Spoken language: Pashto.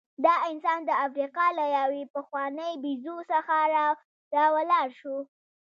دا انسان د افریقا له یوې پخوانۍ بیزو څخه راولاړ شو.